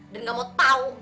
dan gak mau tau